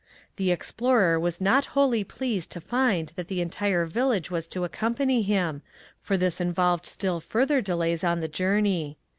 The explorer was not wholly pleased to find that the entire village was to accompany him, for this involved still further delays on the journey.